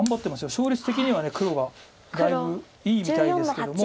勝率的には黒がだいぶいいみたいですけども。